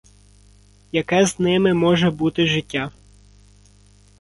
Яке з ними може бути життя?